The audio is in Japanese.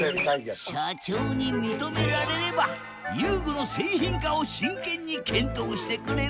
社長に認められれば遊具の製品化を真剣に検討してくれるという。